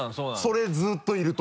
それずっといると。